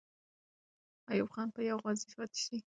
ایوب خان به یو غازی پاتې سي.